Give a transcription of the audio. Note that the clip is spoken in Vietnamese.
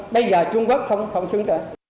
bây giờ trung quốc không xứng đáng